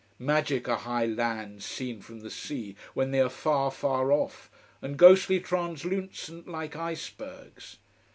Magic are high lands seen from the sea, when they are far, far off, and ghostly translucent like ice bergs.